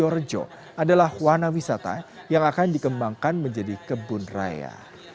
mangrove mulyorjo adalah warna wisata yang akan dikembangkan menjadi kebun raya